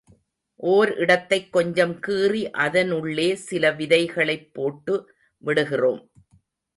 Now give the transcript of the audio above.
ஓர் இடத்தைக் கொஞ்சம் கீறி அதனுள்ளே சில விதைகளைப் போட்டு விடுகிறோம்.